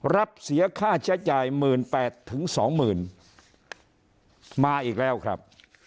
รับเสียค่าใช้จ่ายหมื่นแปดถึงสองหมื่นมาอีกแล้วครับ